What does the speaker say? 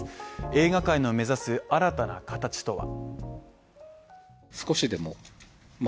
映画界の目指す新たな形とは。